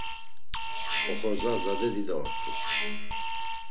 Oxorza zade dida ort̆u.